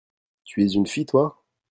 Tu es une fille-toi ?